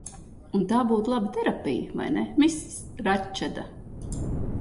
Un tā būtu laba terapija, vai ne, Miss Ratčeda?